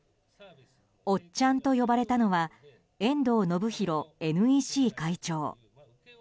おっちゃんと呼ばれたのは遠藤信博ＮＥＣ会長。